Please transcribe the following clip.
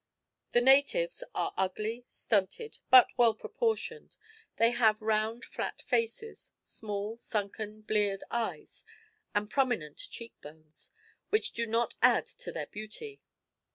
The natives are ugly, stunted, but well proportioned. They have round, flat faces, small, sunken, bleared eyes, and prominent cheek bones, which do not add to their beauty.